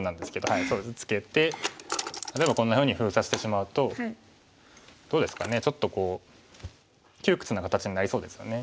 はいそうですねツケて例えばこんなふうに封鎖してしまうとどうですかねちょっと窮屈な形になりそうですよね。